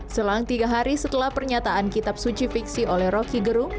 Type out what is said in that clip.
selang tiga hari setelah pernyataan kitab suci fiksi oleh rocky gerung